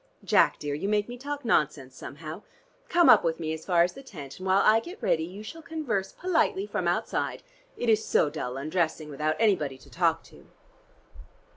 Jack, dear, you make me talk nonsense, somehow. Come up with me as far as the tent, and while I get ready you shall converse politely from outside. It is so dull undressing without anybody to talk to."